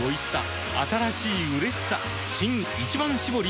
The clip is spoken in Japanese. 新「一番搾り」